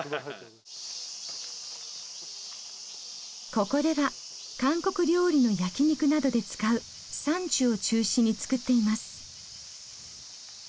ここでは韓国料理の焼き肉などで使うサンチュを中心に作っています。